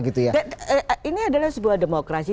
ini adalah sebuah demokrasi